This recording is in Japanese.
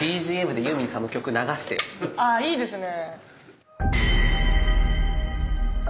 あいいですね。